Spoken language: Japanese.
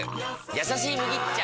「やさしい麦茶」！